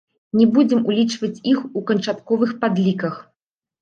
Не будзем улічваць іх у канчатковых падліках.